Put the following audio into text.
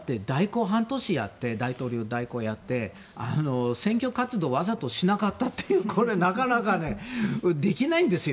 だって、大統領代行を半年やって選挙活動をわざとしなかったというこれはなかなかできないんですよ。